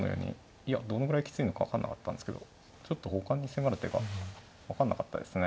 いやどのぐらいきついのか分かんなかったんですけどちょっと他に迫る手が分かんなかったですね。